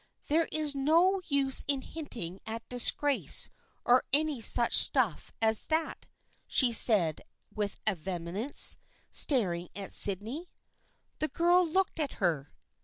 " There is no use in hinting at disgrace or any such stuff as that," she said with vehemence, staring at Sydney. The girl looked at her.